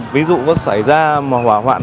ví dụ có xảy ra một hỏa hoạn